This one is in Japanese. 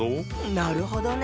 なるほどね。